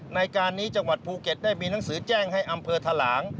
ในการนี้จังหวัดภูเก็ตได้มีหนังสือแจ้งให้อำเภอทะหลาง